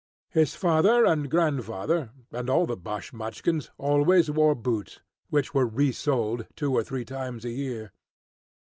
His father and grandfather, and all the Bashmachkins, always wore boots, which were resoled two or three times a year.